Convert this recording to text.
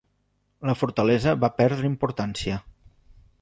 La fortalesa va perdre importància.